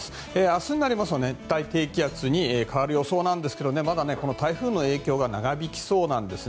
明日になりますと熱帯低気圧に変わる予想なんですがまだこの台風の影響が長引きそうなんです。